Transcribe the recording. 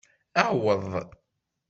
Aweḍ.